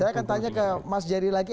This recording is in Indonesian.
saya akan tanya ke mas jerry lagi